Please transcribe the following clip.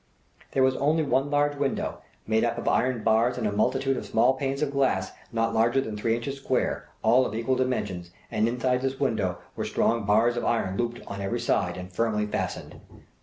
There was only one large window, made up of iron bars and a multitude of small panes of glass not larger than three inches square, all of equal dimensions, and inside this window were strong bars of iron looped on every side and firmly fastened.